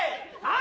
あ！